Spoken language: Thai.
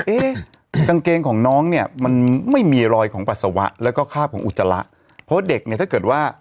กางเกงของน้องเนี่ยมันไม่มีรอยของปัสสาวะแล้วก็คาบของอุจจาระเพราะเด็กเนี่ยถ้าเกิดว่า